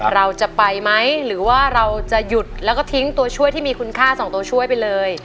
เราจะไปไหมหรือว่าเราจะหยุดแล้วก็ทิ้งตัวช่วยที่มีคุณค่าสองตัวช่วยไปเลย